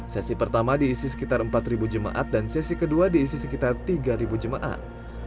sesi pertama diisi sekitar empat jemaat dan sesi kedua diisi sekitar tiga jemaat